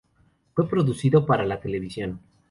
Fue producido para la televisión.